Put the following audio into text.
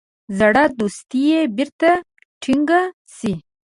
زړه دوستي بیرته ټینګه سي.